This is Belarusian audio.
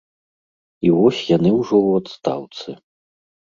І вось яны ўжо ў адстаўцы.